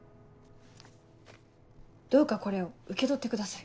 どうかこれを受け取ってください。